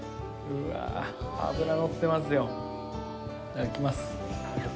うわあ、脂乗ってますよ。